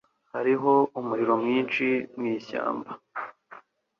Muri Amerika Hariho umuriro mwinshi mwishyamba.